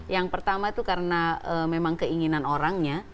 yang pertama itu karena memang keinginan orangnya